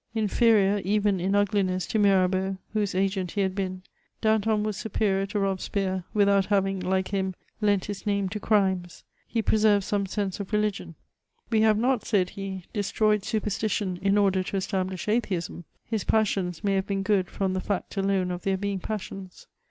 Inferior, even in ugliness, to Mirabeau, whose agent he had been, Danton was superior to Robespierre, without having, Hke him, lent his name to crimes. He preserved some sense of reUgion: "We have not," said he, "destroyed superstition in order to establish atheism." His passions may have been good from the fact alone of their being passions.